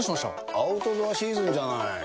アウトドアシーズンじゃない。